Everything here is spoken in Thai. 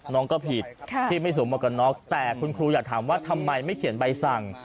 น้องก็ผิดที่ไม่สวมหมวกกันน็อกแต่คุณครูอยากถามว่าทำไมไม่เขียนใบสั่ง